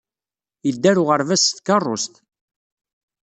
Yedda ɣer uɣerbaz s tkeṛṛust.